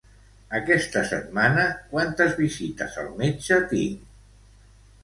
Aquesta setmana quantes visites al metge tinc?